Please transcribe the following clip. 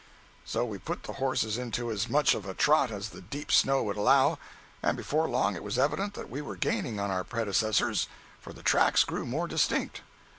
So we put the horses into as much of a trot as the deep snow would allow, and before long it was evident that we were gaining on our predecessors, for the tracks grew more distinct.